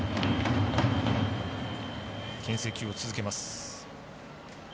けん制球を続けます。